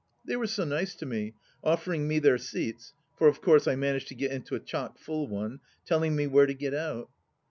They were so nice to me, offering me their seats — ^for of course I managed to get into a chock full one — telling me where to get out.